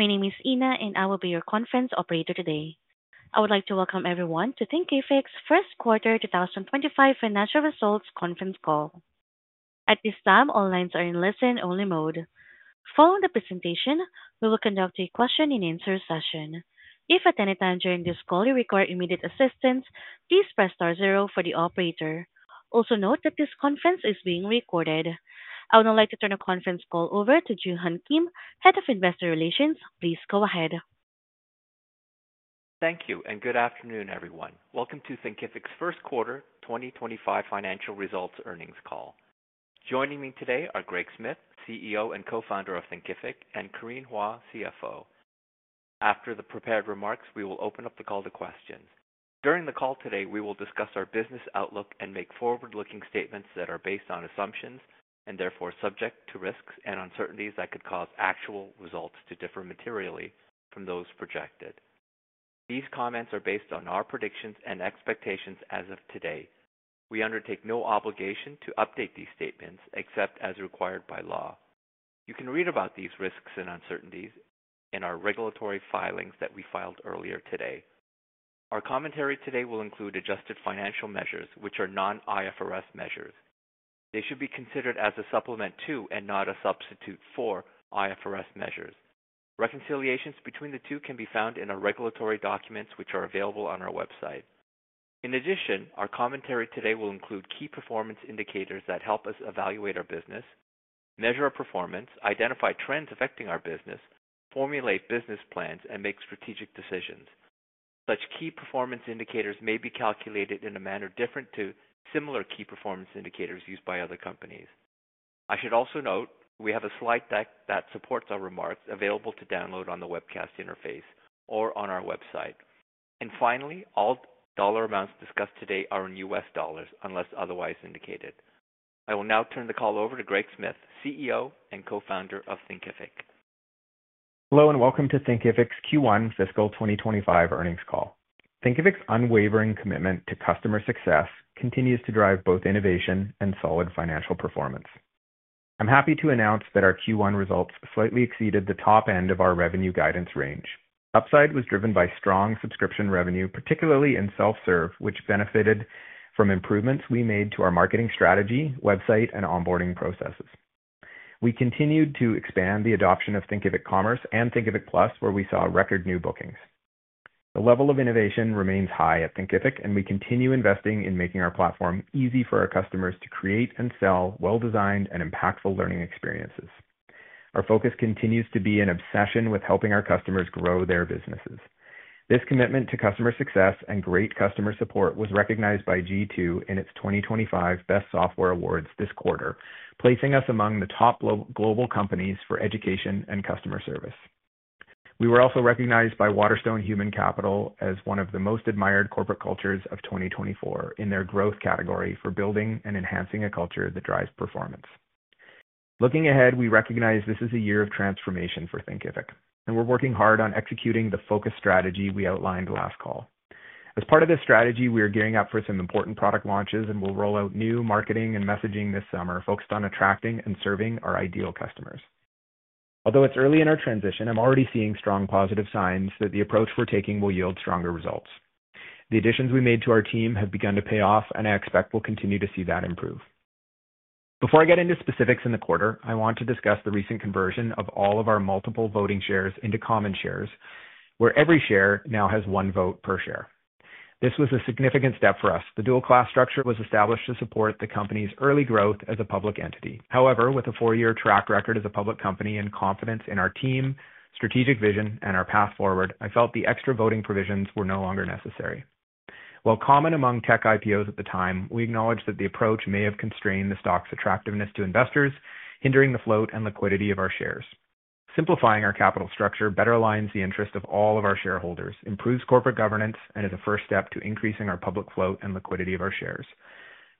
My name is Ina, and I will be your conference operator today. I would like to welcome everyone to Thinkific's First Quarter 2025 Financial Results Conference Call. At this time, all lines are in listen-only mode. Following the presentation, we will conduct a question-and-answer session. If at any time during this call you require immediate assistance, please press star zero for the operator. Also note that this conference is being recorded. I would now like to turn the conference call over to Joo-Hun Kim, Head of Investor Relations. Please go ahead. Thank you, and good afternoon, everyone. Welcome to Thinkific's First quarter 2025 financial results earnings call. Joining me today are Greg Smith, CEO and co-founder of Thinkific, and Corinne Hua, CFO. After the prepared remarks, we will open up the call to questions. During the call today, we will discuss our business outlook and make forward-looking statements that are based on assumptions and therefore subject to risks and uncertainties that could cause actual results to differ materially from those projected. These comments are based on our predictions and expectations as of today. We undertake no obligation to update these statements except as required by law. You can read about these risks and uncertainties in our regulatory filings that we filed earlier today. Our commentary today will include adjusted financial measures, which are non-IFRS measures. They should be considered as a supplement to and not a substitute for IFRS measures. Reconciliations between the two can be found in our regulatory documents, which are available on our website. In addition, our commentary today will include key performance indicators that help us evaluate our business, measure our performance, identify trends affecting our business, formulate business plans, and make strategic decisions. Such key performance indicators may be calculated in a manner different to similar key performance indicators used by other companies. I should also note we have a slide deck that supports our remarks available to download on the webcast interface or on our website. Finally, all dollar amounts discussed today are in U.S. dollars unless otherwise indicated. I will now turn the call over to Greg Smith, CEO and co-founder of Thinkific. Hello and welcome to Thinkific's Q1 Fiscal 2025 earnings call. Thinkific's unwavering commitment to customer success continues to drive both innovation and solid financial performance. I'm happy to announce that our Q1 results slightly exceeded the top end of our revenue guidance range. Upside was driven by strong subscription revenue, particularly in self-serve, which benefited from improvements we made to our marketing strategy, website, and onboarding processes. We continued to expand the adoption of Thinkific Commerce and Thinkific Plus, where we saw record new bookings. The level of innovation remains high at Thinkific, and we continue investing in making our platform easy for our customers to create and sell well-designed and impactful learning experiences. Our focus continues to be an obsession with helping our customers grow their businesses. This commitment to customer success and great customer support was recognized by G2 in its 2025 Best Software Awards this quarter, placing us among the top global companies for education and customer service. We were also recognized by Waterstone Human Capital as one of the most admired corporate cultures of 2024 in their growth category for building and enhancing a culture that drives performance. Looking ahead, we recognize this is a year of transformation for Thinkific, and we're working hard on executing the focus strategy we outlined last call. As part of this strategy, we are gearing up for some important product launches and will roll out new marketing and messaging this summer focused on attracting and serving our ideal customers. Although it's early in our transition, I'm already seeing strong positive signs that the approach we're taking will yield stronger results. The additions we made to our team have begun to pay off, and I expect we'll continue to see that improve. Before I get into specifics in the quarter, I want to discuss the recent conversion of all of our multiple voting shares into common shares, where every share now has one vote per share. This was a significant step for us. The dual-class structure was established to support the company's early growth as a public entity. However, with a four-year track record as a public company and confidence in our team, strategic vision, and our path forward, I felt the extra voting provisions were no longer necessary. While common among tech IPOs at the time, we acknowledge that the approach may have constrained the stock's attractiveness to investors, hindering the float and liquidity of our shares. Simplifying our capital structure better aligns the interests of all of our shareholders, improves corporate governance, and is a first step to increasing our public float and liquidity of our shares.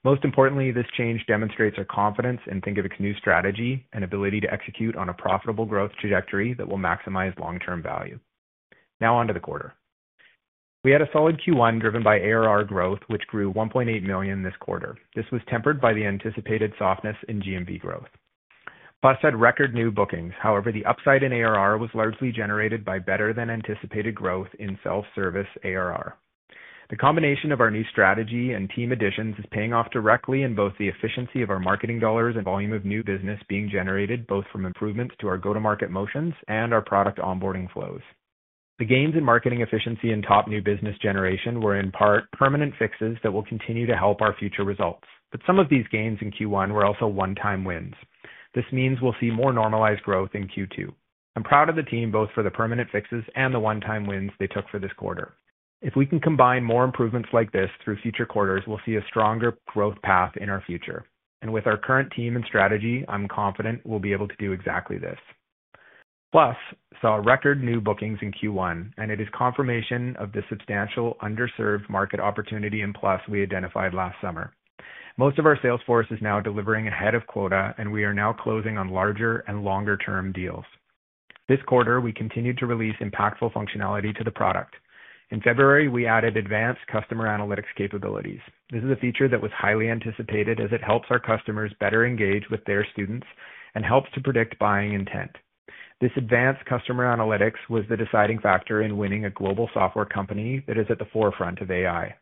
Most importantly, this change demonstrates our confidence in Thinkific's new strategy and ability to execute on a profitable growth trajectory that will maximize long-term value. Now on to the quarter. We had a solid Q1 driven by ARR growth, which grew $1.8 million this quarter. This was tempered by the anticipated softness in GMV growth. Plus, we had record new bookings. However, the upside in ARR was largely generated by better-than-anticipated growth in self-service ARR. The combination of our new strategy and team additions is paying off directly in both the efficiency of our marketing dollars and volume of new business being generated both from improvements to our go-to-market motions and our product onboarding flows. The gains in marketing efficiency and top new business generation were in part permanent fixes that will continue to help our future results. Some of these gains in Q1 were also one-time wins. This means we'll see more normalized growth in Q2. I'm proud of the team both for the permanent fixes and the one-time wins they took for this quarter. If we can combine more improvements like this through future quarters, we'll see a stronger growth path in our future. With our current team and strategy, I'm confident we'll be able to do exactly this. Plus, we saw record new bookings in Q1, and it is confirmation of the substantial underserved market opportunity in Plus we identified last summer. Most of our sales force is now delivering ahead of quota, and we are now closing on larger and longer-term deals. This quarter, we continued to release impactful functionality to the product. In February, we added advanced customer analytics capabilities. This is a feature that was highly anticipated as it helps our customers better engage with their students and helps to predict buying intent. This advanced customer analytics was the deciding factor in winning a global software company that is at the forefront of AI.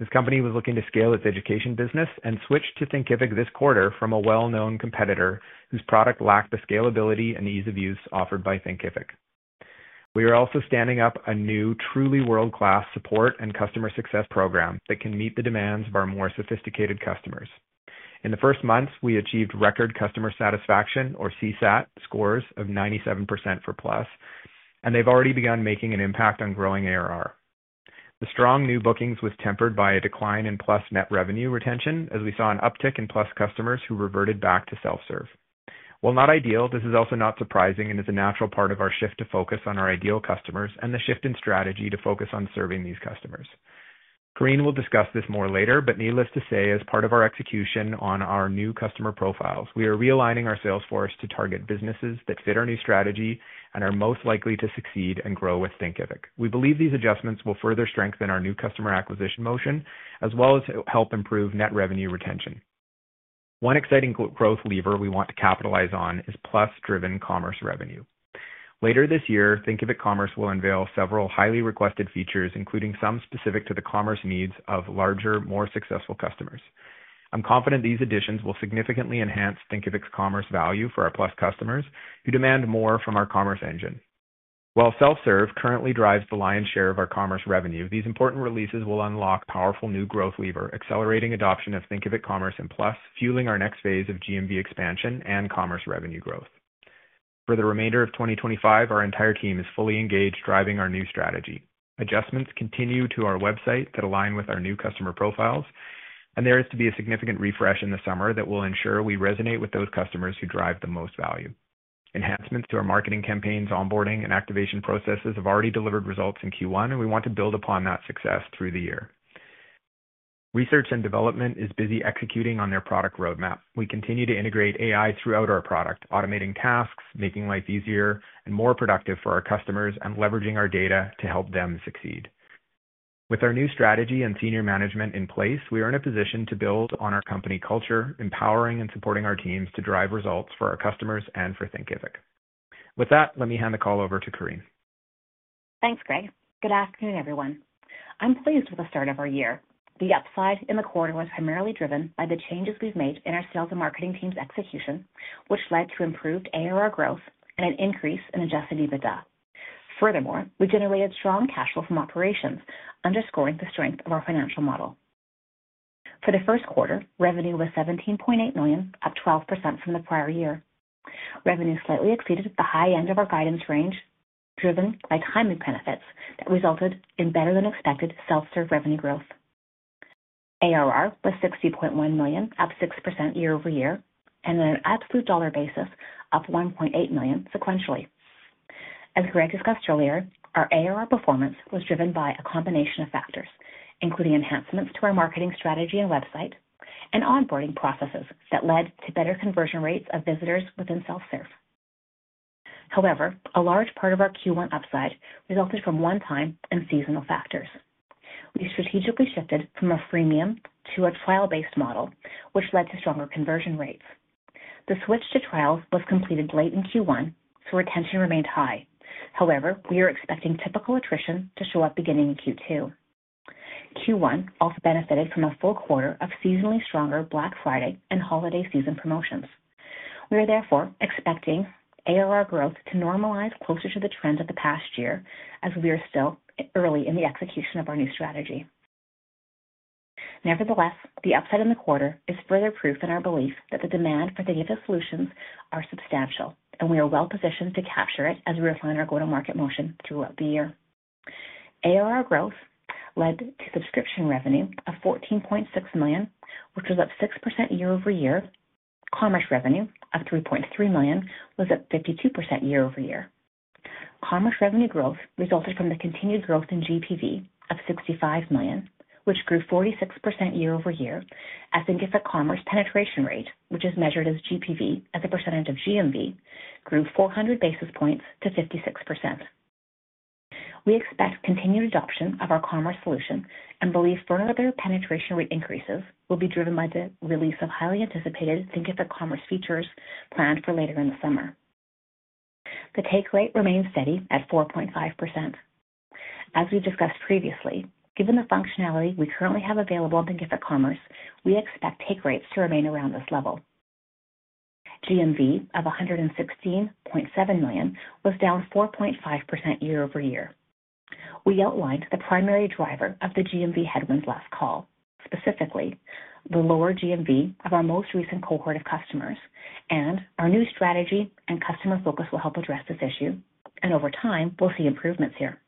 This company was looking to scale its education business and switched to Thinkific this quarter from a well-known competitor whose product lacked the scalability and ease of use offered by Thinkific. We are also standing up a new truly world-class support and customer success program that can meet the demands of our more sophisticated customers. In the first months, we achieved record customer satisfaction, or CSAT, scores of 97% for Plus, and they've already begun making an impact on growing ARR. The strong new bookings were tempered by a decline in Plus' net revenue retention, as we saw an uptick in Plus customers who reverted back to self-serve. While not ideal, this is also not surprising and is a natural part of our shift to focus on our ideal customers and the shift in strategy to focus on serving these customers. Corinne will discuss this more later, but needless to say, as part of our execution on our new customer profiles, we are realigning our sales force to target businesses that fit our new strategy and are most likely to succeed and grow with Thinkific. We believe these adjustments will further strengthen our new customer acquisition motion as well as help improve net revenue retention. One exciting growth lever we want to capitalize on is Plus-driven commerce revenue. Later this year, Thinkific Commerce will unveil several highly requested features, including some specific to the commerce needs of larger, more successful customers. I'm confident these additions will significantly enhance Thinkific's commerce value for our Plus customers who demand more from our commerce engine. While self-serve currently drives the lion's share of our commerce revenue, these important releases will unlock a powerful new growth lever, accelerating adoption of Thinkific Commerce and Plus, fueling our next phase of GMV expansion and commerce revenue growth. For the remainder of 2025, our entire team is fully engaged driving our new strategy. Adjustments continue to our website that align with our new customer profiles, and there is to be a significant refresh in the summer that will ensure we resonate with those customers who drive the most value. Enhancements to our marketing campaigns, onboarding, and activation processes have already delivered results in Q1, and we want to build upon that success through the year. Research and development is busy executing on their product roadmap. We continue to integrate AI throughout our product, automating tasks, making life easier and more productive for our customers, and leveraging our data to help them succeed. With our new strategy and senior management in place, we are in a position to build on our company culture, empowering and supporting our teams to drive results for our customers and for Thinkific. With that, let me hand the call over to Corinne. Thanks, Greg. Good afternoon, everyone. I'm pleased with the start of our year. The upside in the quarter was primarily driven by the changes we've made in our sales and marketing team's execution, which led to improved ARR growth and an increase in adjusted EBITDA. Furthermore, we generated strong cash flow from operations, underscoring the strength of our financial model. For the first quarter, revenue was $17.8 million, up 12% from the prior year. Revenue slightly exceeded the high end of our guidance range, driven by timing benefits that resulted in better-than-expected self-serve revenue growth. ARR was $60.1 million, up 6% year-over-year, and on an absolute dollar basis, up $1.8 million sequentially. As Greg discussed earlier, our ARR performance was driven by a combination of factors, including enhancements to our marketing strategy and website and onboarding processes that led to better conversion rates of visitors within self-serve. However, a large part of our Q1 upside resulted from one-time and seasonal factors. We strategically shifted from a freemium to a trial-based model, which led to stronger conversion rates. The switch to trials was completed late in Q1, so retention remained high. However, we are expecting typical attrition to show up beginning in Q2. Q1 also benefited from a full quarter of seasonally stronger Black Friday and holiday season promotions. We are therefore expecting ARR growth to normalize closer to the trend of the past year as we are still early in the execution of our new strategy. Nevertheless, the upside in the quarter is further proof in our belief that the demand for Thinkific solutions is substantial, and we are well-positioned to capture it as we refine our go-to-market motion throughout the year. ARR growth led to subscription revenue of $14.6 million, which was up 6% year-over-year. Commerce revenue of $3.3 million was up 52% year-over-year. Commerce revenue growth resulted from the continued growth in GPV of $65 million, which grew 46% year-over-year, as Thinkific Commerce penetration rate, which is measured as GPV as a percentage of GMV, grew 400 basis points to 56%. We expect continued adoption of our commerce solution and believe further penetration rate increases will be driven by the release of highly anticipated Thinkific Commerce features planned for later in the summer. The take rate remains steady at 4.5%. As we discussed previously, given the functionality we currently have available in Thinkific Commerce, we expect take rates to remain around this level. GMV of $116.7 million was down 4.5% year-over-year. We outlined the primary driver of the GMV headwinds last call. Specifically, the lower GMV of our most recent cohort of customers, and our new strategy and customer focus will help address this issue, and over time, we'll see improvements here.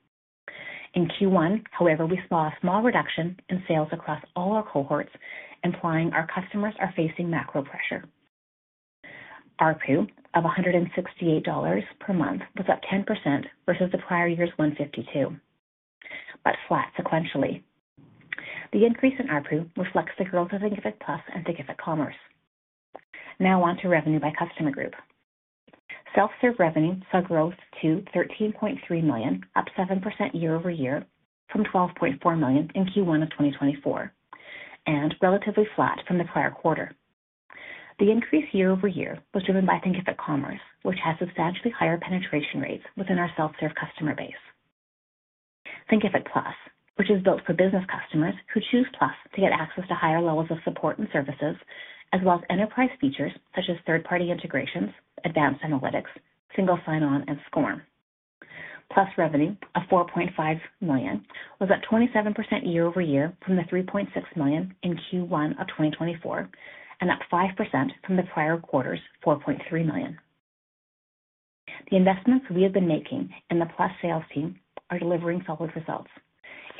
In Q1, however, we saw a small reduction in sales across all our cohorts, implying our customers are facing macro pressure. Our PU of $168 per month was up 10% versus the prior year's $152, but flat sequentially. The increase in our PU reflects the growth of Thinkific Plus and Thinkific Commerce. Now on to revenue by customer group. Self-serve revenue saw growth to $13.3 million, up 7% year-over-year from $12.4 million in Q1 of 2024, and relatively flat from the prior quarter. The increase year-over-year was driven by Thinkific Commerce, which has substantially higher penetration rates within our self-serve customer base. Thinkific Plus, which is built for business customers who choose Plus to get access to higher levels of support and services, as well as enterprise features such as third-party integrations, advanced analytics, single sign-on, and SCORM. Plus revenue of $4.5 million was up 27% year-over-year from the $3.6 million in Q1 of 2024 and up 5% from the prior quarter's $4.3 million. The investments we have been making and the Plus sales team are delivering solid results.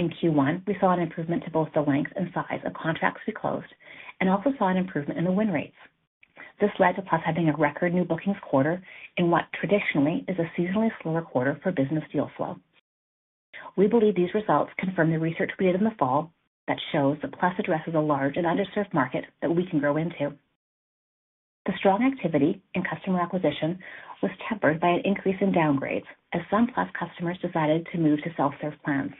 In Q1, we saw an improvement to both the length and size of contracts we closed and also saw an improvement in the win rates. This led to Plus having a record new bookings quarter in what traditionally is a seasonally slower quarter for business deal flow. We believe these results confirm the research we did in the fall that shows that Plus addresses a large and underserved market that we can grow into. The strong activity in customer acquisition was tempered by an increase in downgrades as some Plus customers decided to move to self-serve plans.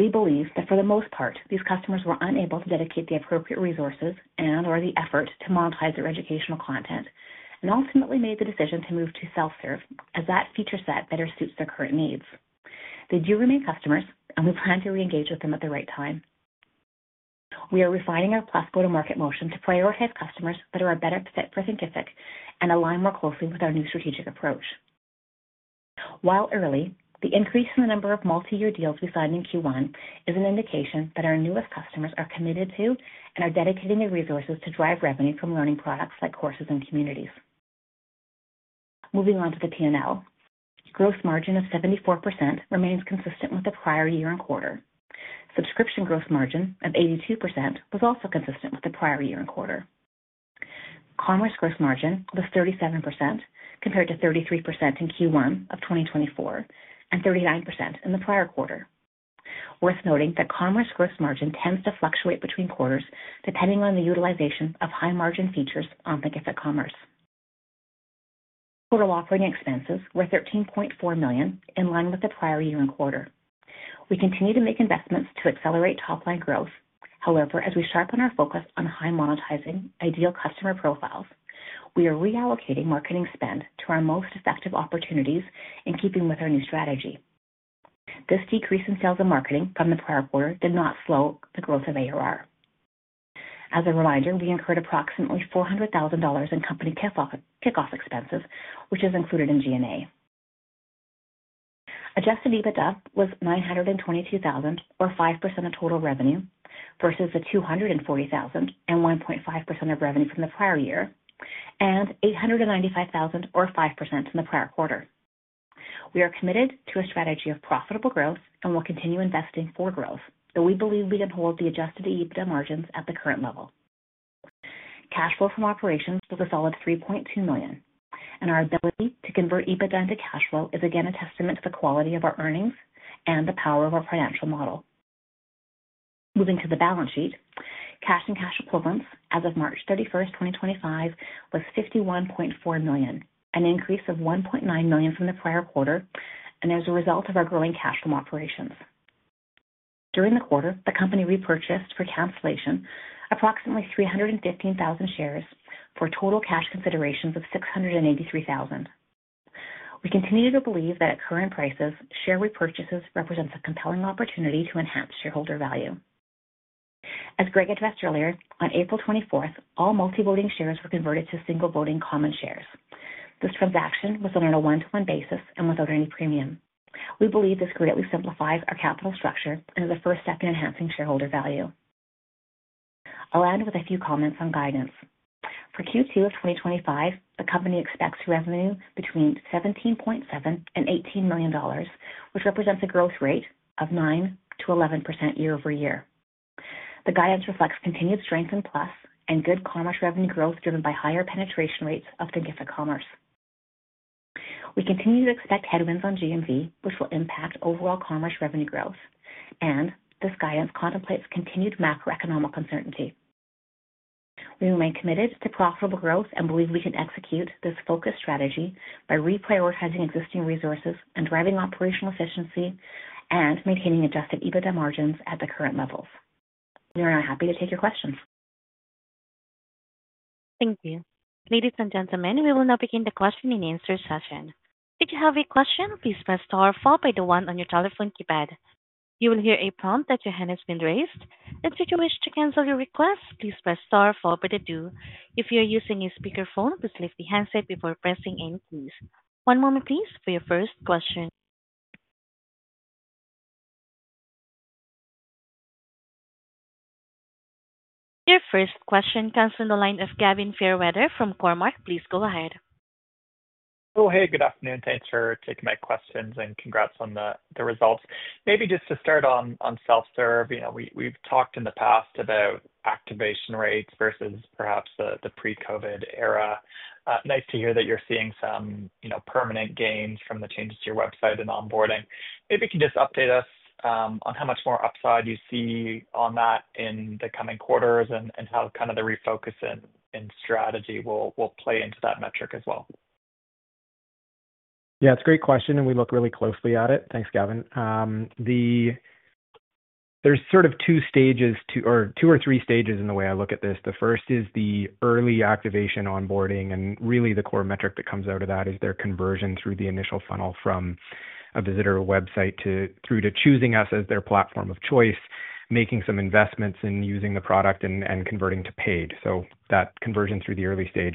We believe that for the most part, these customers were unable to dedicate the appropriate resources and/or the effort to monetize their educational content and ultimately made the decision to move to self-serve as that feature set better suits their current needs. They do remain customers, and we plan to re-engage with them at the right time. We are refining our Plus go-to-market motion to prioritize customers that are a better fit for Thinkific and align more closely with our new strategic approach. While early, the increase in the number of multi-year deals we signed in Q1 is an indication that our newest customers are committed to and are dedicating their resources to drive revenue from learning products like courses and communities. Moving on to the P&L, gross margin of 74% remains consistent with the prior year and quarter. Subscription gross margin of 82% was also consistent with the prior year and quarter. Commerce gross margin was 37% compared to 33% in Q1 of 2024 and 39% in the prior quarter. Worth noting that commerce gross margin tends to fluctuate between quarters depending on the utilization of high-margin features on Thinkific Commerce. Total operating expenses were $13.4 million in line with the prior year and quarter. We continue to make investments to accelerate top-line growth. However, as we sharpen our focus on high-monetizing, ideal customer profiles, we are reallocating marketing spend to our most effective opportunities in keeping with our new strategy. This decrease in sales and marketing from the prior quarter did not slow the growth of ARR. As a reminder, we incurred approximately $400,000 in company kickoff expenses, which is included in G&A. Adjusted EBITDA was $922,000, or 5% of total revenue versus the $240,000 and 1.5% of revenue from the prior year and $895,000, or 5% from the prior quarter. We are committed to a strategy of profitable growth and will continue investing for growth, though we believe we can hold the adjusted EBITDA margins at the current level. Cash flow from operations was a solid $3.2 million, and our ability to convert EBITDA into cash flow is again a testament to the quality of our earnings and the power of our financial model. Moving to the balance sheet, cash and cash equivalents as of March 31, 2025, was $51.4 million, an increase of $1.9 million from the prior quarter and as a result of our growing cash from operations. During the quarter, the company repurchased for cancellation approximately 315,000 shares for total cash considerations of $683,000. We continue to believe that at current prices, share repurchases represent a compelling opportunity to enhance shareholder value. As Greg addressed earlier, on April 24, all multi-voting shares were converted to single voting common shares. This transaction was done on a one-to-one basis and without any premium. We believe this greatly simplifies our capital structure and is a first step in enhancing shareholder value. I'll end with a few comments on guidance. For Q2 of 2025, the company expects revenue between $17.7 million and $18 million, which represents a growth rate of 9%-11% year-over-year. The guidance reflects continued strength in Plus and good commerce revenue growth driven by higher penetration rates of Thinkific Commerce. We continue to expect headwinds on GMV, which will impact overall commerce revenue growth, and this guidance contemplates continued macroeconomic uncertainty. We remain committed to profitable growth and believe we can execute this focused strategy by reprioritizing existing resources and driving operational efficiency and maintaining adjusted EBITDA margins at the current levels. We are now happy to take your questions. Thank you. Ladies and gentlemen, we will now begin the question and answer session. If you have a question, please press star followed by the one on your telephone keypad. You will hear a prompt that your hand has been raised. Should you wish to cancel your request, please press star followed by the two. If you are using a speakerphone, please lift the handset before pressing any keys, please. One moment, please, for your first question. Your first question comes from the line of Gavin Fairweather from Cormark. Please go ahead. Oh, hey, good afternoon. Thanks for taking my questions and congrats on the results. Maybe just to start on self-serve, we've talked in the past about activation rates versus perhaps the pre-COVID era. Nice to hear that you're seeing some permanent gains from the changes to your website and onboarding. Maybe you can just update us on how much more upside you see on that in the coming quarters and how kind of the refocus in strategy will play into that metric as well. Yeah, it's a great question, and we look really closely at it. Thanks, Gavin. There's sort of two stages or two or three stages in the way I look at this. The first is the early activation onboarding, and really the core metric that comes out of that is their conversion through the initial funnel from a visitor website through to choosing us as their platform of choice, making some investments in using the product and converting to paid. That conversion through the early stage,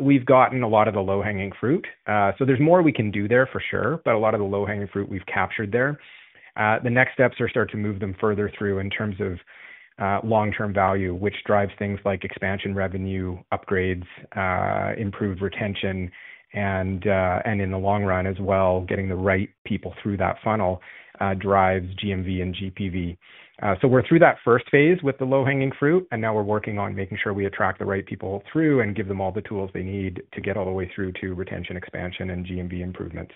we've gotten a lot of the low-hanging fruit. There's more we can do there for sure, but a lot of the low-hanging fruit we've captured there. The next steps are start to move them further through in terms of long-term value, which drives things like expansion revenue, upgrades, improved retention, and in the long run as well, getting the right people through that funnel drives GMV and GPV. We're through that first phase with the low-hanging fruit, and now we're working on making sure we attract the right people through and give them all the tools they need to get all the way through to retention, expansion, and GMV improvement.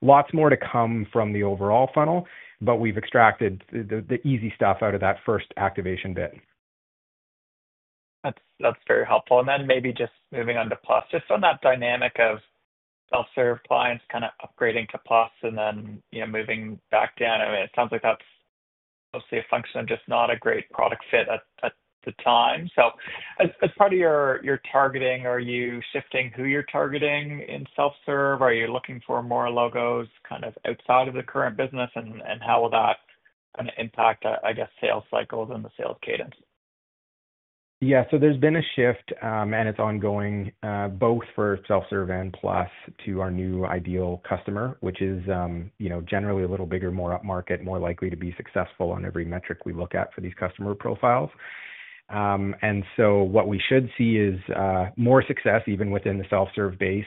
Lots more to come from the overall funnel, but we've extracted the easy stuff out of that first activation bit. That's very helpful. Maybe just moving on to Plus, just on that dynamic of self-serve clients kind of upgrading to Plus and then moving back down. I mean, it sounds like that's mostly a function of just not a great product fit at the time. As part of your targeting, are you shifting who you're targeting in self-serve? Are you looking for more logos kind of outside of the current business, and how will that kind of impact, I guess, sales cycles and the sales cadence? Yeah, so there's been a shift, and it's ongoing both for self-serve and Plus to our new ideal customer, which is generally a little bigger, more up-market, more likely to be successful on every metric we look at for these customer profiles. What we should see is more success even within the self-serve base,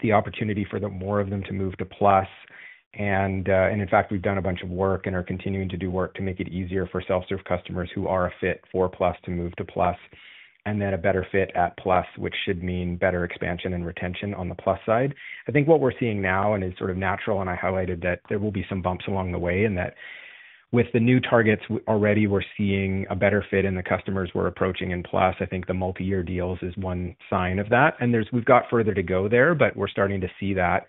the opportunity for more of them to move to Plus. In fact, we've done a bunch of work and are continuing to do work to make it easier for self-serve customers who are a fit for Plus to move to Plus and then a better fit at Plus, which should mean better expansion and retention on the Plus side. I think what we're seeing now, and it's sort of natural, and I highlighted that there will be some bumps along the way in that with the new targets already, we're seeing a better fit in the customers we're approaching in Plus. I think the multi-year deals is one sign of that. We've got further to go there, but we're starting to see that.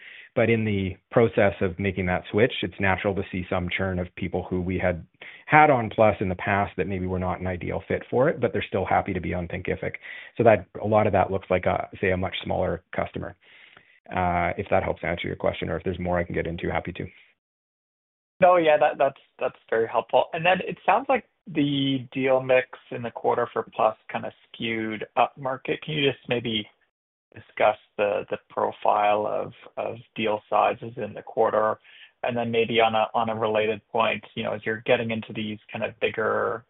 In the process of making that switch, it's natural to see some churn of people who we had had on Plus in the past that maybe were not an ideal fit for it, but they're still happy to be on Thinkific. A lot of that looks like, say, a much smaller customer. If that helps answer your question, or if there's more I can get into, happy to. No, yeah, that's very helpful. It sounds like the deal mix in the quarter for Plus kind of skewed up-market. Can you just maybe discuss the profile of deal sizes in the quarter? Maybe on a related point, as you're getting into these kind of bigger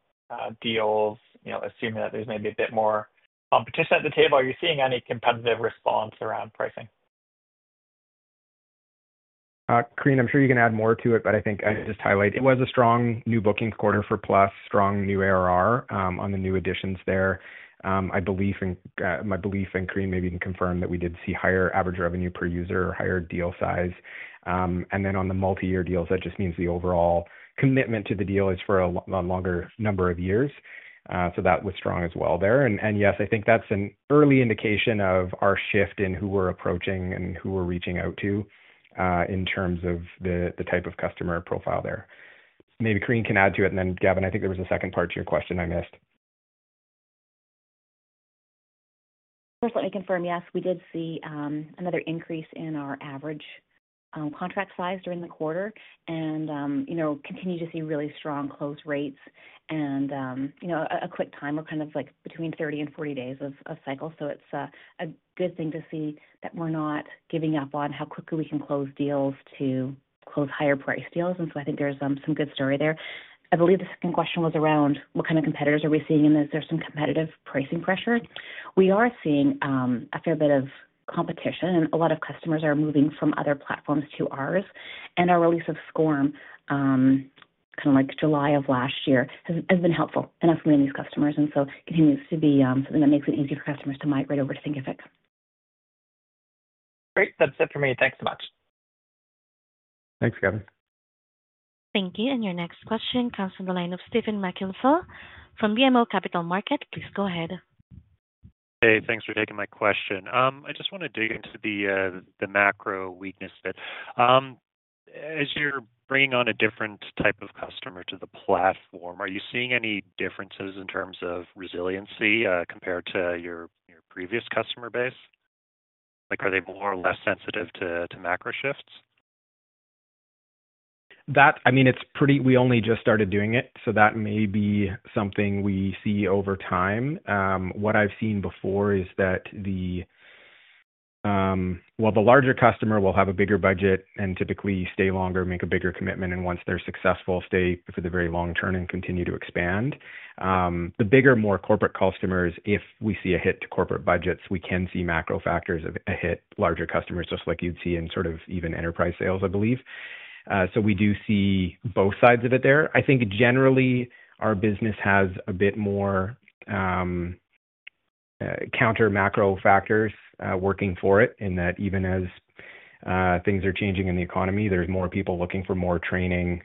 deals, assuming that there's maybe a bit more competition at the table, are you seeing any competitive response around pricing? Corinne, I'm sure you can add more to it, but I think I just highlight it was a strong new booking quarter for Plus, strong new ARR on the new additions there. My belief, and Corinne maybe can confirm that we did see higher average revenue per user or higher deal size. On the multi-year deals, that just means the overall commitment to the deal is for a longer number of years. That was strong as well there. Yes, I think that's an early indication of our shift in who we're approaching and who we're reaching out to in terms of the type of customer profile there. Maybe Corinne can add to it. Gavin, I think there was a second part to your question I missed. First, let me confirm, yes, we did see another increase in our average contract size during the quarter and continue to see really strong close rates and a quick time or kind of between 30-40 days of cycle. It is a good thing to see that we are not giving up on how quickly we can close deals to close higher price deals. I think there is some good story there. I believe the second question was around what kind of competitors are we seeing and is there some competitive pricing pressure? We are seeing a fair bit of competition, and a lot of customers are moving from other platforms to ours. Our release of SCORM, kind of like July of last year, has been helpful in affirming these customers. It continues to be something that makes it easier for customers to migrate over to Thinkific. Great. That's it for me. Thanks so much. Thanks, Gavin. Thank you. Your next question comes from the line of Stephen Machielen from BMO Capital Markets. Please go ahead. Hey, thanks for taking my question. I just want to dig into the macro weakness bit. As you're bringing on a different type of customer to the platform, are you seeing any differences in terms of resiliency compared to your previous customer base? Are they more or less sensitive to macro shifts? I mean, we only just started doing it, so that may be something we see over time. What I've seen before is that, well, the larger customer will have a bigger budget and typically stay longer, make a bigger commitment, and once they're successful, stay for the very long term and continue to expand. The bigger, more corporate customers, if we see a hit to corporate budgets, we can see macro factors of a hit, larger customers, just like you'd see in sort of even enterprise sales, I believe. We do see both sides of it there. I think generally our business has a bit more counter macro factors working for it in that even as things are changing in the economy, there's more people looking for more training,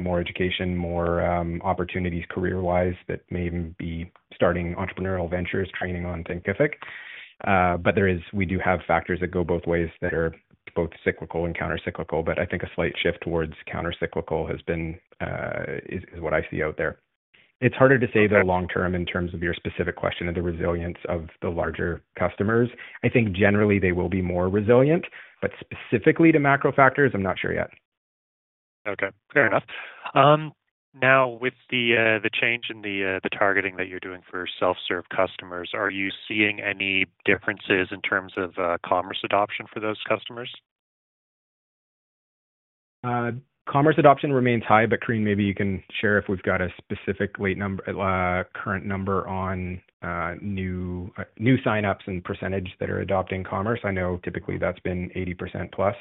more education, more opportunities career-wise that may even be starting entrepreneurial ventures, training on Thinkific. We do have factors that go both ways that are both cyclical and countercyclical, but I think a slight shift towards countercyclical is what I see out there. It's harder to say the long term in terms of your specific question of the resilience of the larger customers. I think generally they will be more resilient, but specifically to macro factors, I'm not sure yet. Okay. Fair enough. Now, with the change in the targeting that you're doing for self-serve customers, are you seeing any differences in terms of commerce adoption for those customers? Commerce adoption remains high, but Corinne, maybe you can share if we've got a specific current number on new sign-ups and percentage that are adopting commerce. I know typically that's been 80% plus.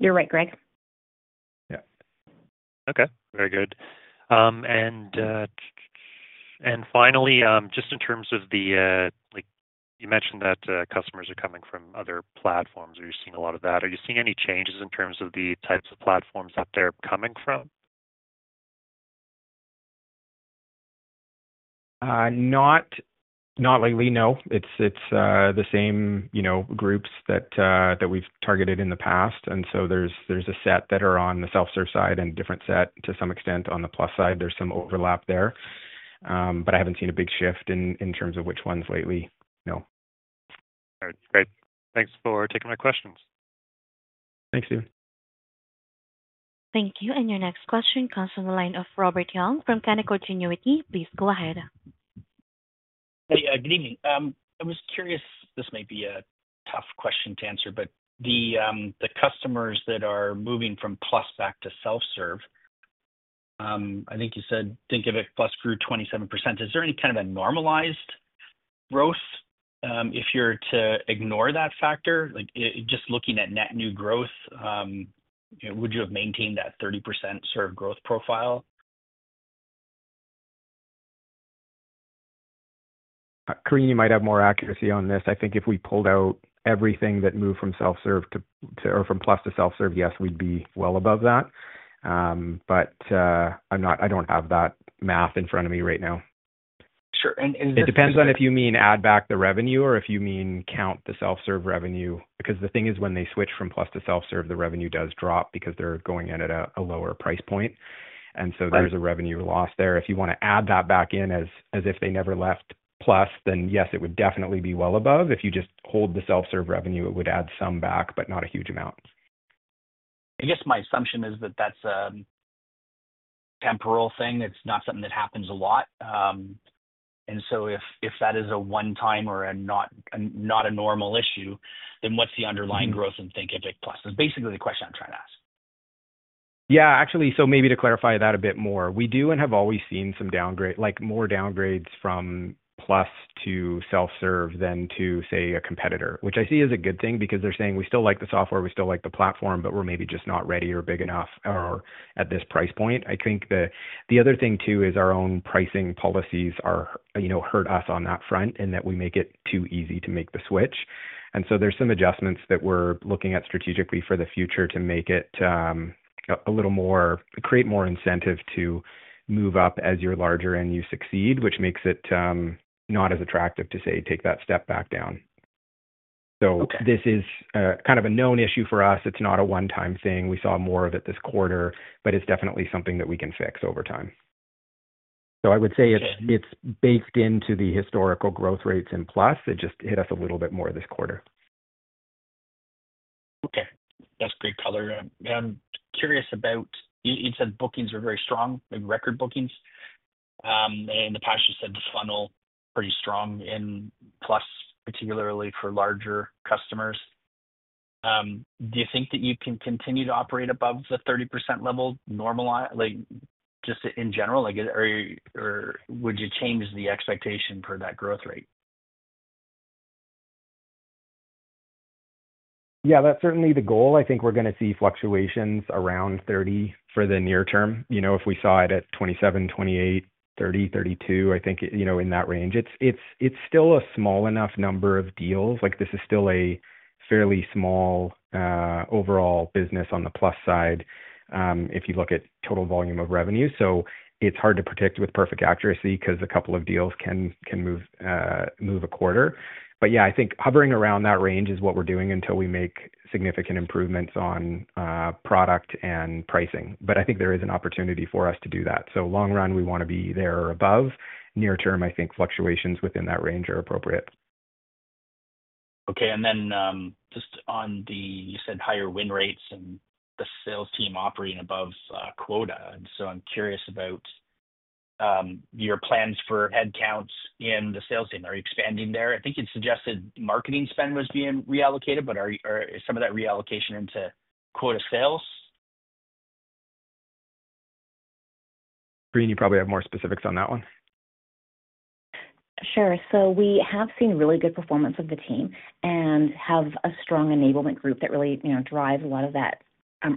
You're right, Greg. Yeah. Okay. Very good. Finally, just in terms of the, you mentioned that customers are coming from other platforms. Are you seeing a lot of that? Are you seeing any changes in terms of the types of platforms that they're coming from? Not lately, no. It is the same groups that we have targeted in the past. There is a set that are on the self-serve side and a different set to some extent on the Plus side. There is some overlap there, but I have not seen a big shift in terms of which ones lately. No. All right. Great. Thanks for taking my questions. Thanks, Stephen. Thank you. Your next question comes from the line of Robert Young from Canaccord Genuity. Please go ahead. Hey, good evening. I was curious. This may be a tough question to answer, but the customers that are moving from Plus back to self-serve, I think you said Thinkific Plus grew 27%. Is there any kind of a normalized growth? If you're to ignore that factor, just looking at net new growth, would you have maintained that 30% sort of growth profile? Corinne, you might have more accuracy on this. I think if we pulled out everything that moved from Plus to self-serve, yes, we'd be well above that. I don't have that math in front of me right now. Sure. Is this. It depends on if you mean add back the revenue or if you mean count the self-serve revenue. Because the thing is when they switch from Plus to self-serve, the revenue does drop because they're going in at a lower price point. There is a revenue loss there. If you want to add that back in as if they never left Plus, then yes, it would definitely be well above. If you just hold the self-serve revenue, it would add some back, but not a huge amount. I guess my assumption is that that's a temporal thing. It's not something that happens a lot. If that is a one-time or not a normal issue, then what's the underlying growth in Thinkific Plus? That's basically the question I'm trying to ask. Yeah, actually, so maybe to clarify that a bit more, we do and have always seen some more downgrades from Plus to self-serve than to, say, a competitor, which I see as a good thing because they're saying, "We still like the software. We still like the platform, but we're maybe just not ready or big enough at this price point." I think the other thing too is our own pricing policies hurt us on that front in that we make it too easy to make the switch. There are some adjustments that we're looking at strategically for the future to make it a little more, create more incentive to move up as you're larger and you succeed, which makes it not as attractive to, say, take that step back down. This is kind of a known issue for us. It's not a one-time thing. We saw more of it this quarter, but it's definitely something that we can fix over time. I would say it's baked into the historical growth rates in Plus. It just hit us a little bit more this quarter. Okay. That's great color. I'm curious about, you said bookings are very strong, maybe record bookings. In the past, you said the funnel is pretty strong in Plus, particularly for larger customers. Do you think that you can continue to operate above the 30% level just in general, or would you change the expectation for that growth rate? Yeah, that's certainly the goal. I think we're going to see fluctuations around 30% for the near term. If we saw it at 27%, 28%, 30%, 32%, I think in that range. It's still a small enough number of deals. This is still a fairly small overall business on the Plus side if you look at total volume of revenue. It's hard to predict with perfect accuracy because a couple of deals can move a quarter. Yeah, I think hovering around that range is what we're doing until we make significant improvements on product and pricing. I think there is an opportunity for us to do that. Long run, we want to be there or above. Near term, I think fluctuations within that range are appropriate. Okay. And then just on the, you said higher win rates and the sales team operating above quota. I am curious about your plans for headcounts in the sales team. Are you expanding there? I think you suggested marketing spend was being reallocated, but some of that reallocation into quota sales. Corinne, you probably have more specifics on that one. Sure. We have seen really good performance of the team and have a strong enablement group that really drives a lot of that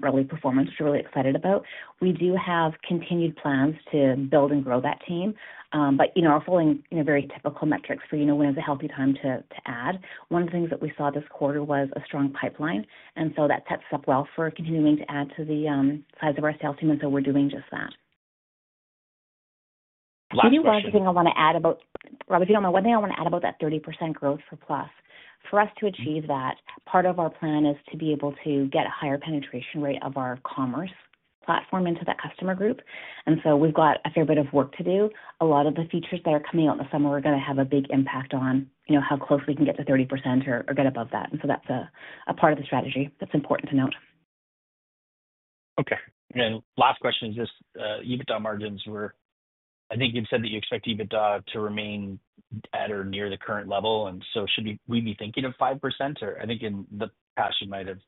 early performance, which we are really excited about. We do have continued plans to build and grow that team, but are following very typical metrics for when is a healthy time to add. One of the things that we saw this quarter was a strong pipeline. That sets us up well for continuing to add to the size of our sales team, and we are doing just that. Last question. Can you add something I want to add about? Robert, if you do not mind, one thing I want to add about that 30% growth for Plus. For us to achieve that, part of our plan is to be able to get a higher penetration rate of our commerce platform into that customer group. We have a fair bit of work to do. A lot of the features that are coming out in the summer are going to have a big impact on how close we can get to 30% or get above that. That is a part of the strategy that is important to note. Okay. And then last question is just EBITDA margins. I think you've said that you expect EBITDA to remain at or near the current level. Should we be thinking of 5%? I think in the past, you might have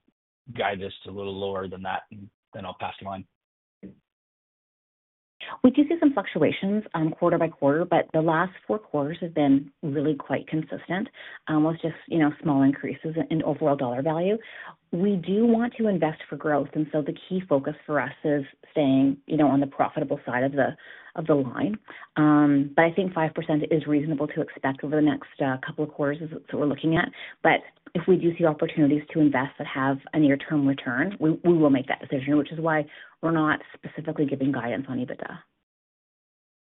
guided us to a little lower than that, and then I'll pass you on. We do see some fluctuations quarter by quarter, but the last four quarters have been really quite consistent with just small increases in overall dollar value. We do want to invest for growth. The key focus for us is staying on the profitable side of the line. I think 5% is reasonable to expect over the next couple of quarters that we're looking at. If we do see opportunities to invest that have a near-term return, we will make that decision, which is why we're not specifically giving guidance on EBITDA.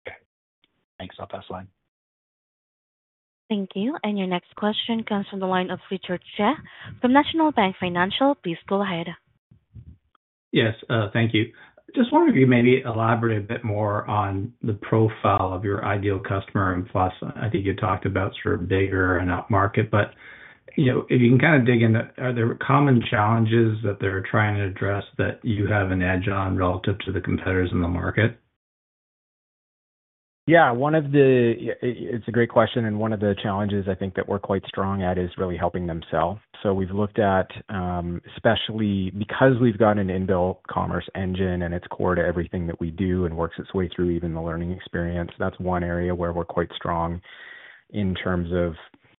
Okay. Thanks. I'll pass the line. Thank you. Your next question comes from the line of RichardTse from National Bank Financial. Please go ahead. Yes. Thank you. Just wonder if you maybe elaborate a bit more on the profile of your ideal customer in Plus. I think you talked about sort of bigger and up market, but if you can kind of dig in, are there common challenges that they're trying to address that you have an edge on relative to the competitors in the market? Yeah. It's a great question. One of the challenges I think that we're quite strong at is really helping them sell. We've looked at, especially because we've got an inbuilt commerce engine and it's core to everything that we do and works its way through even the learning experience. That's one area where we're quite strong in terms of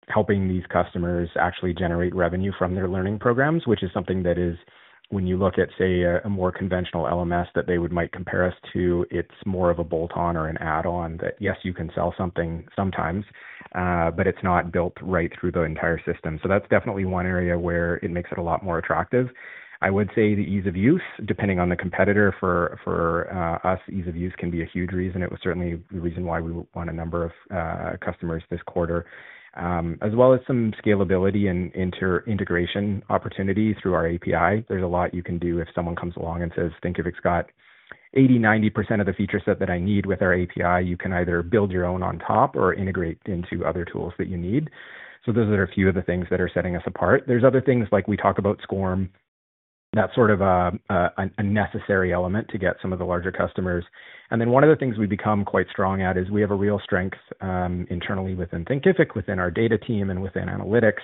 helping these customers actually generate revenue from their learning programs, which is something that is, when you look at, say, a more conventional LMS that they might compare us to, it's more of a bolt-on or an add-on that, yes, you can sell something sometimes, but it's not built right through the entire system. That's definitely one area where it makes it a lot more attractive. I would say the ease of use, depending on the competitor for us, ease of use can be a huge reason. It was certainly the reason why we won a number of customers this quarter, as well as some scalability and integration opportunity through our API. There's a lot you can do if someone comes along and says, "Thinkific's got 80-90% of the feature set that I need with our API." You can either build your own on top or integrate into other tools that you need. Those are a few of the things that are setting us apart. There are other things like we talk about SCORM, that's sort of a necessary element to get some of the larger customers. One of the things we become quite strong at is we have a real strength internally within Thinkific, within our data team and within analytics,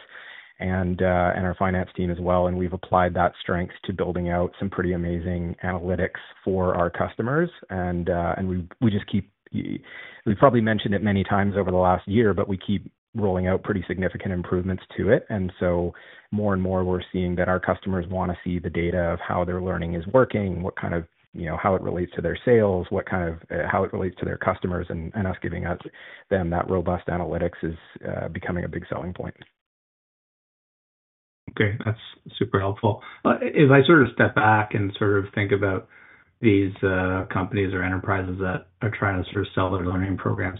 and our finance team as well. We've applied that strength to building out some pretty amazing analytics for our customers. We just keep—we've probably mentioned it many times over the last year, but we keep rolling out pretty significant improvements to it. More and more, we're seeing that our customers want to see the data of how their learning is working, what kind of—how it relates to their sales, how it relates to their customers, and us giving them that robust analytics is becoming a big selling point. Okay. That's super helpful. If I sort of step back and sort of think about these companies or enterprises that are trying to sort of sell their learning programs,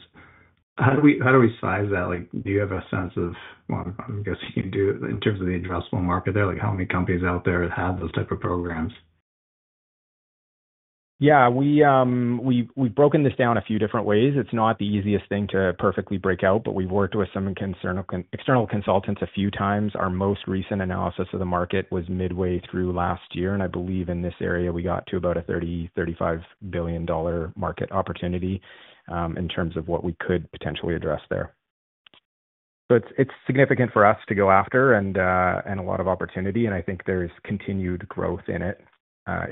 how do we size that? Do you have a sense of—I mean, I'm guessing you do in terms of the addressable market there? How many companies out there have those types of programs? Yeah. We've broken this down a few different ways. It's not the easiest thing to perfectly break out, but we've worked with some external consultants a few times. Our most recent analysis of the market was midway through last year. I believe in this area, we got to about a $30 billion-$35 billion market opportunity in terms of what we could potentially address there. It is significant for us to go after and a lot of opportunity. I think there is continued growth in it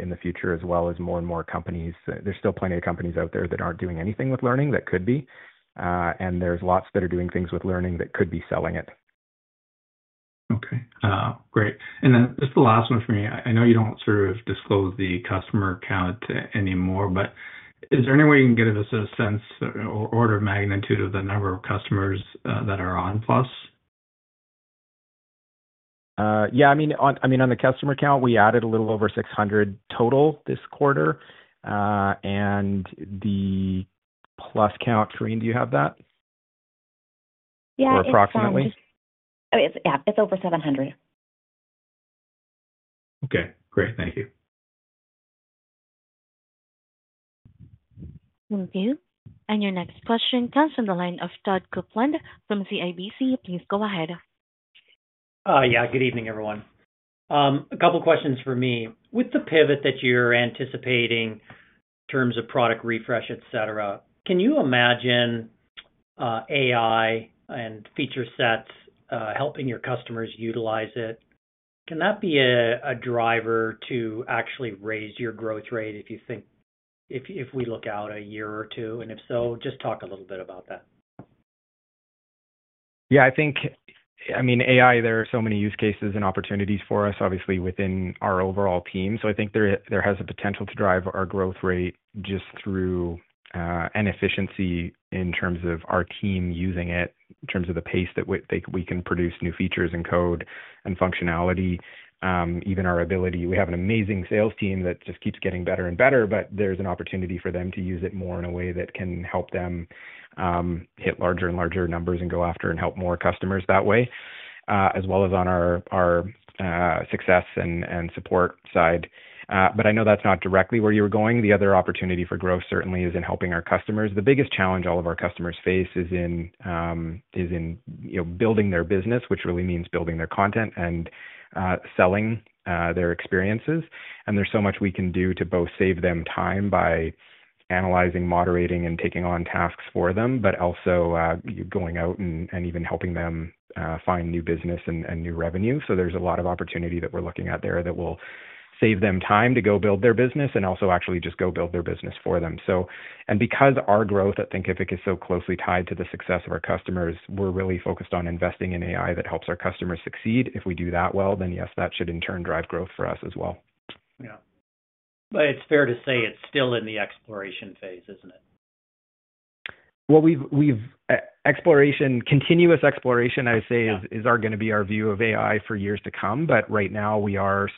in the future, as well as more and more companies—there are still plenty of companies out there that aren't doing anything with learning that could be. There are lots that are doing things with learning that could be selling it. Okay. Great. And then just the last one for me. I know you do not sort of disclose the customer count anymore, but is there any way you can get a sense or order of magnitude of the number of customers that are on Plus? Yeah. I mean, on the customer count, we added a little over 600 total this quarter. And the Plus count, Corinne, do you have that? Yeah. Or approximately? Yeah. It's over 700. Okay. Great. Thank you. Thank you. Your next question comes from the line of Todd Coupland from CIBC. Please go ahead. Yeah. Good evening, everyone. A couple of questions for me. With the pivot that you're anticipating in terms of product refresh, etc., can you imagine AI and feature sets helping your customers utilize it? Can that be a driver to actually raise your growth rate if you think if we look out a year or two? If so, just talk a little bit about that. Yeah. I mean, AI, there are so many use cases and opportunities for us, obviously, within our overall team. I think there is a potential to drive our growth rate just through an efficiency in terms of our team using it, in terms of the pace that we can produce new features and code and functionality, even our ability. We have an amazing sales team that just keeps getting better and better, but there is an opportunity for them to use it more in a way that can help them hit larger and larger numbers and go after and help more customers that way, as well as on our success and support side. I know that is not directly where you were going. The other opportunity for growth certainly is in helping our customers. The biggest challenge all of our customers face is in building their business, which really means building their content and selling their experiences. There is so much we can do to both save them time by analyzing, moderating, and taking on tasks for them, but also going out and even helping them find new business and new revenue. There is a lot of opportunity that we are looking at there that will save them time to go build their business and also actually just go build their business for them. Because our growth at Thinkific is so closely tied to the success of our customers, we are really focused on investing in AI that helps our customers succeed. If we do that well, then yes, that should in turn drive growth for us as well. Yeah. But it's fair to say it's still in the exploration phase, isn't it? Continuous exploration, I would say, is going to be our view of AI for years to come. Right now, we are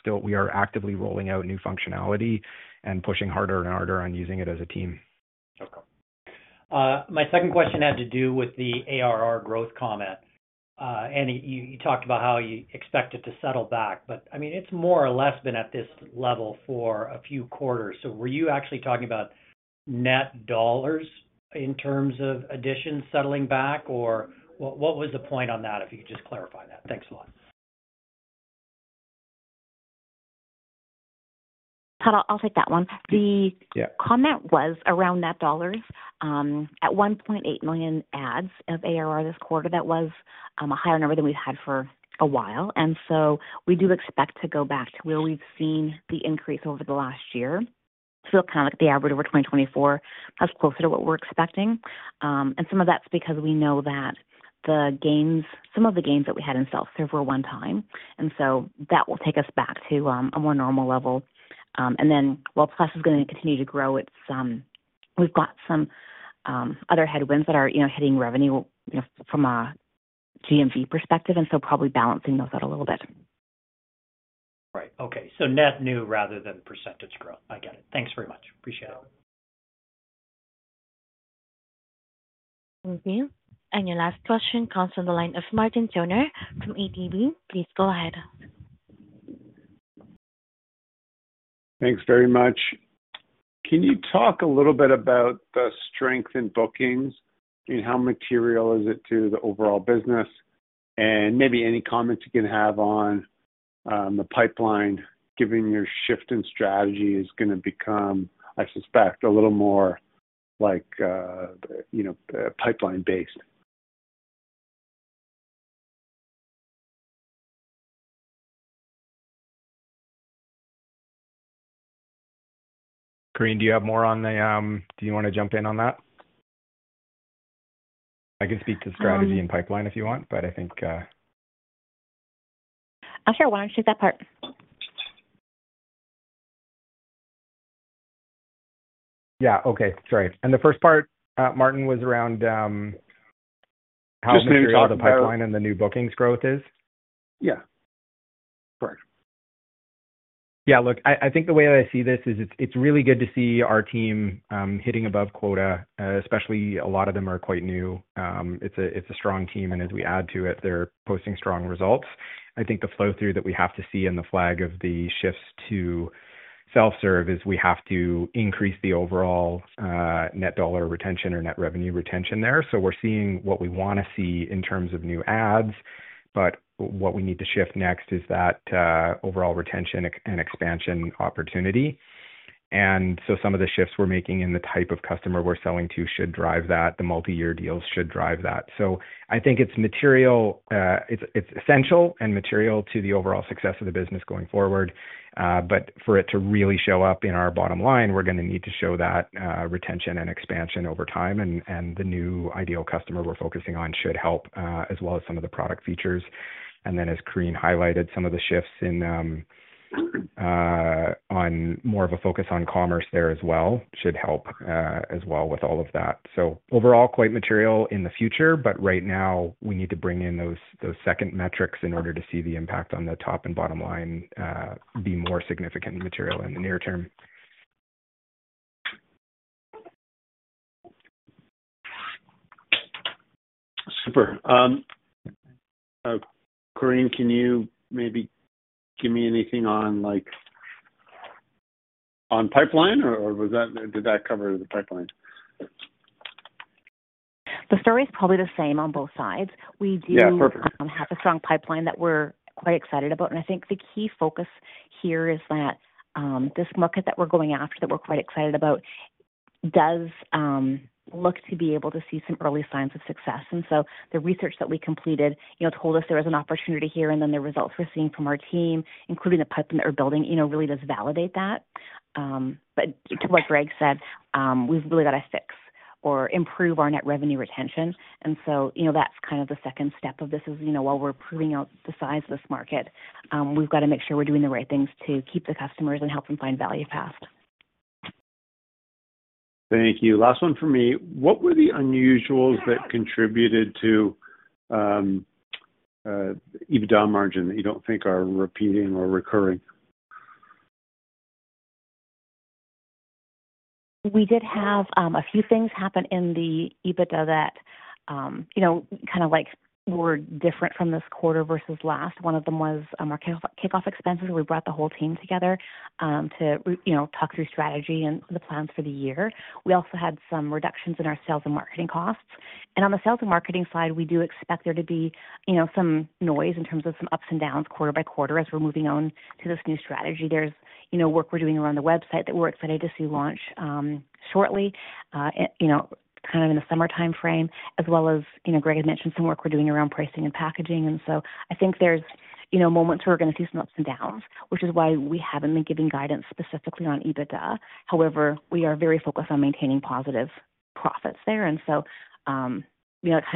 actively rolling out new functionality and pushing harder and harder on using it as a team. Okay. My second question had to do with the ARR growth comment. You talked about how you expect it to settle back. I mean, it's more or less been at this level for a few quarters. Were you actually talking about net dollars in terms of additions settling back? What was the point on that, if you could just clarify that? Thanks a lot. I'll take that one. The comment was around net dollars. At $1.8 million adds of ARR this quarter, that was a higher number than we've had for a while. We do expect to go back to where we've seen the increase over the last year. Kind of like the average over 2024, that's closer to what we're expecting. Some of that's because we know that some of the gains that we had in self-serve were one time. That will take us back to a more normal level. While Plus is going to continue to grow, we've got some other headwinds that are hitting revenue from a GMV perspective, probably balancing those out a little bit. Right. Okay. So net new rather than percentage growth. I get it. Thanks very much. Appreciate it. Thank you. Your last question comes from the line of Martin Toner from ATB. Please go ahead. Thanks very much. Can you talk a little bit about the strength in bookings and how material is it to the overall business? Maybe any comments you can have on the pipeline, given your shift in strategy is going to become, I suspect, a little more pipeline-based. Corinne, do you have more on the—do you want to jump in on that? I can speak to strategy and pipeline if you want, but I think. I'll share why I'm speaking that part. Yeah. Okay. Sorry. The first part, Martin, was around how mature the pipeline and the new bookings growth is. Yeah. Correct. Yeah. Look, I think the way that I see this is it's really good to see our team hitting above quota, especially a lot of them are quite new. It's a strong team. As we add to it, they're posting strong results. I think the flow through that we have to see in the flag of the shifts to self-serve is we have to increase the overall net dollar retention or net revenue retention there. We're seeing what we want to see in terms of new ads. What we need to shift next is that overall retention and expansion opportunity. Some of the shifts we're making in the type of customer we're selling to should drive that. The multi-year deals should drive that. I think it's essential and material to the overall success of the business going forward. For it to really show up in our bottom line, we're going to need to show that retention and expansion over time. The new ideal customer we're focusing on should help, as well as some of the product features. Then, as Corinne highlighted, some of the shifts on more of a focus on commerce there as well should help as well with all of that. Overall, quite material in the future. Right now, we need to bring in those second metrics in order to see the impact on the top and bottom line be more significant and material in the near term. Super. Corinne, can you maybe give me anything on pipeline, or did that cover the pipeline? The story is probably the same on both sides. We do have a strong pipeline that we're quite excited about. I think the key focus here is that this market that we're going after that we're quite excited about does look to be able to see some early signs of success. The research that we completed told us there was an opportunity here. The results we're seeing from our team, including the pipeline that we're building, really does validate that. To what Greg said, we've really got to fix or improve our net revenue retention. That's kind of the second step of this. While we're proving out the size of this market, we've got to make sure we're doing the right things to keep the customers and help them find value fast. Thank you. Last one for me. What were the unusuals that contributed to EBITDA margin that you do not think are repeating or recurring? We did have a few things happen in the EBITDA that kind of were different from this quarter versus last. One of them was our kickoff expenses. We brought the whole team together to talk through strategy and the plans for the year. We also had some reductions in our sales and marketing costs. On the sales and marketing side, we do expect there to be some noise in terms of some ups and downs quarter by quarter as we're moving on to this new strategy. There's work we're doing around the website that we're excited to see launch shortly, kind of in the summertime frame, as well as Greg had mentioned some work we're doing around pricing and packaging. I think there's moments where we're going to see some ups and downs, which is why we haven't been giving guidance specifically on EBITDA. However, we are very focused on maintaining positive profits there. It kind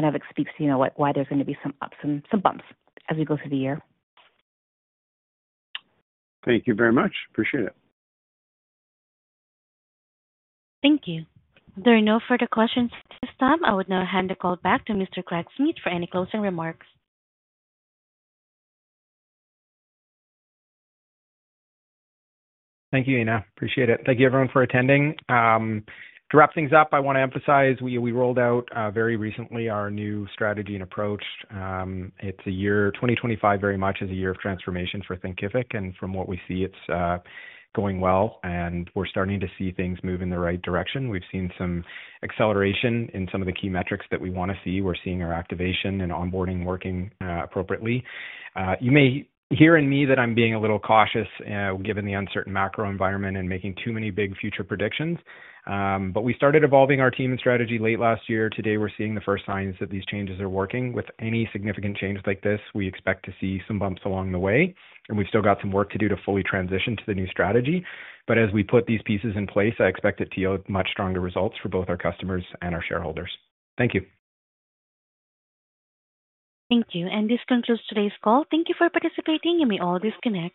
of speaks to why there's going to be some ups and some bumps as we go through the year. Thank you very much. Appreciate it. Thank you. There are no further questions at this time. I would now hand the call back to Mr. Greg Smith for any closing remarks. Thank you, Ina. Appreciate it. Thank you, everyone, for attending. To wrap things up, I want to emphasize we rolled out very recently our new strategy and approach. It is a year 2025 very much as a year of transformation for Thinkific. From what we see, it is going well. We are starting to see things move in the right direction. We have seen some acceleration in some of the key metrics that we want to see. We are seeing our activation and onboarding working appropriately. You may hear in me that I am being a little cautious given the uncertain macro environment and making too many big future predictions. We started evolving our team and strategy late last year. Today, we are seeing the first signs that these changes are working. With any significant change like this, we expect to see some bumps along the way. We have still got some work to do to fully transition to the new strategy. As we put these pieces in place, I expect it to yield much stronger results for both our customers and our shareholders. Thank you. Thank you. This concludes today's call. Thank you for participating. You may all disconnect.